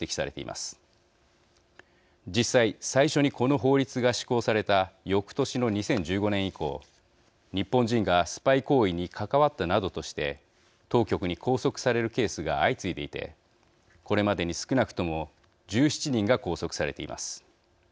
実際最初にこの法律が施行されたよくとしの２０１５年以降日本人がスパイ行為に関わったなどとして当局に拘束されるケースが相次いでいてこれまでに少なくとも１７人が拘束されています。